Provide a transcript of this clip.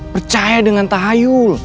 percaya dengan tahayul